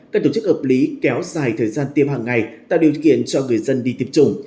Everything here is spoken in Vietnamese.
các tổ chức hợp lý kéo dài thời gian tiêm hàng ngày tạo điều kiện cho người dân đi tiêm chủng